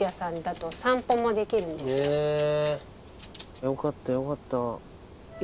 へぇよかったよかった。